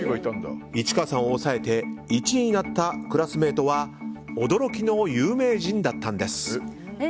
市川さんを抑えて１位になったクラスメートは驚きの有名人だったんです。